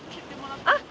あっ！